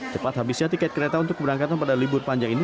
cepat habisnya tiket kereta untuk keberangkatan pada libur panjang ini